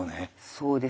そうです。